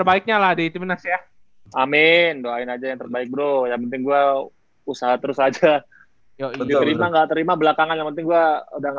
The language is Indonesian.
kitaarta dulu ramai situ kita beres rooting